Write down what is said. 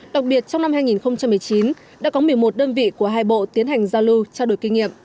đặc biệt trong năm hai nghìn một mươi chín đã có một mươi một đơn vị của hai bộ tiến hành giao lưu trao đổi kinh nghiệm